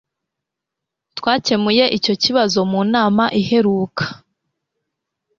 Twakemuye icyo kibazo mu nama iheruka